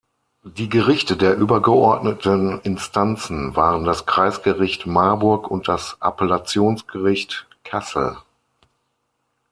Die Gerichte der übergeordneten Instanzen waren das Kreisgericht Marburg und das Appellationsgericht Kassel.